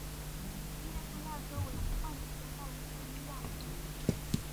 七叶树亚科为无患子科下之一亚科。